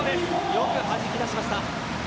よく弾き出しました。